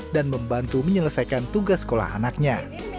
dan membantu menyelesaikan tugas sekolah anaknya